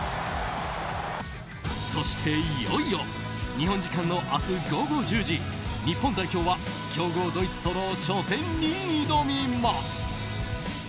そして、いよいよ日本時間の明日午後１０時日本代表は強豪ドイツとの初戦に挑みます。